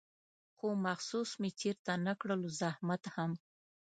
خو محسوس مې چېرته نه کړلو زحمت هم